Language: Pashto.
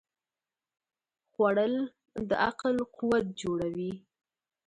خوړل د عقل قوت جوړوي